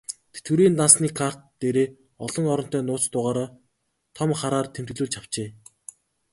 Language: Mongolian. Тэтгэврийн дансны карт дээрээ олон оронтой нууц дугаараа том хараар тэмдэглүүлж авчээ.